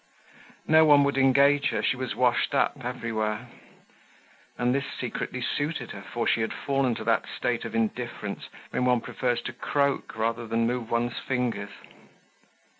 No one would engage her, she was washed up everywhere; and this secretly suited her, for she had fallen to that state of indifference when one prefers to croak rather than move one's fingers.